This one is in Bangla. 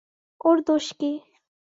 ওর দোষ কী।